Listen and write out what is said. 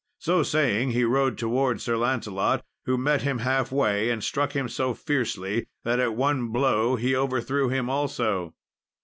So saying he rode towards Sir Lancelot, who met him halfway and struck him so fiercely, that at one blow he overthrew him also.